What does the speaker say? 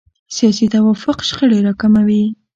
سیاسي توافق شخړې راکموي